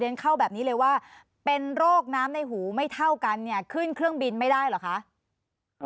เข้าแบบนี้เลยว่าเป็นโรคน้ำในหูไม่เท่ากันเนี่ยขึ้นเครื่องบินไม่ได้เหรอคะ